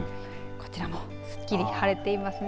こちらもすっきり晴れていますね。